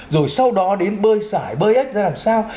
rồi sau đó đến bơi sải bơi ếch ra làm sao